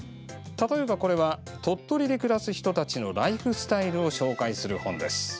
例えば、これは鳥取で暮らす人たちのライフスタイルを紹介する本です。